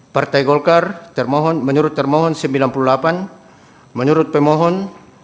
partai golkar termohon menurut termohon sembilan puluh delapan menurut pemohon